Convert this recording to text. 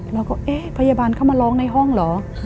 เราก็เอ๊ะพยาบาลเข้ามาร้องในห้องเหรอ